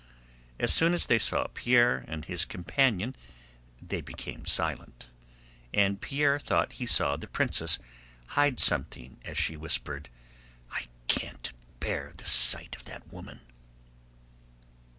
As soon as they saw Pierre and his companion they became silent, and Pierre thought he saw the princess hide something as she whispered: "I can't bear the sight of that woman."